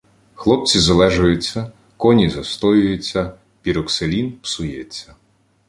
— Хлопці залежуються, коні застоюються, піроксилін псується.